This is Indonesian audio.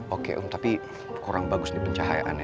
oke om tapi kurang bagus nih pencahayaannya